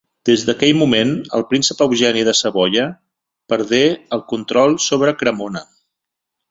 Des d'aquell moment el Príncep Eugeni de Savoia perdé el control sobre Cremona.